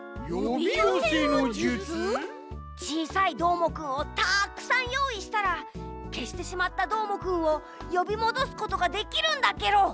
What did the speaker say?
ちいさいどーもくんをたくさんよういしたらけしてしまったどーもくんをよびもどすことができるんだケロ。